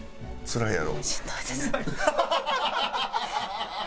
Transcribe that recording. つらいやろ？